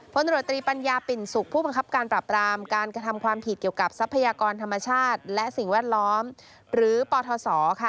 ตรวจตรีปัญญาปิ่นสุขผู้บังคับการปรับรามการกระทำความผิดเกี่ยวกับทรัพยากรธรรมชาติและสิ่งแวดล้อมหรือปทศค่ะ